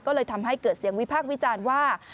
ก็เลยทำให้เกิดเสียงวิพากษ์วิจารณ์ว่า